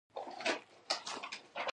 یعقوب بن لیث صفار د عیارانو له ډلې څخه و.